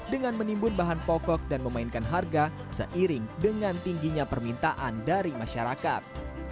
dengan menimbun bahan pokok dan memainkan harga seiring dengan tingginya permintaan dari masyarakat